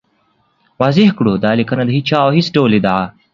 واضح کړو، دا لیکنه د هېچا او هېڅ ډول ادعا